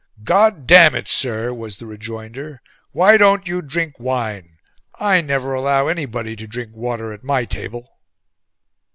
"God damn it, sir!" was the rejoinder. "Why don't you drink wine? I never allow anybody to drink water at my table."